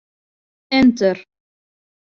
Enter.